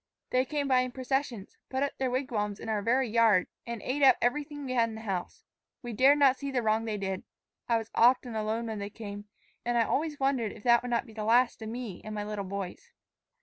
They came by in processions, put up their wigwams in our very yard, and ate up everything we had in the house. We dared not see the wrong they did. I was often alone when they came, and I always wondered if that would not be the last of me and my little boys.